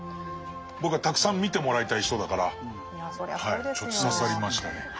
僕はたくさん見てもらいたい人だから刺さりましたね。